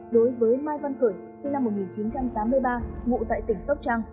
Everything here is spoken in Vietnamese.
đối với mai văn khởi sinh năm một nghìn chín trăm tám mươi ba ngụ tại tỉnh sóc trăng